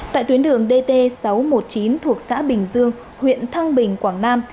tại tuyến đường dt sáu trăm một mươi chín thuộc xã bình dương huyện thăng bình quảng nam